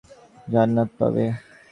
যুদ্ধে জীবন দেওয়া সৈনিকরা জান্নাত পাবে।